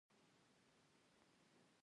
ایا زما روژه ماتیږي که سیروم ولګوم؟